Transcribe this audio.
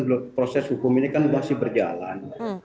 jadi proses hukum ini kan masih berjalan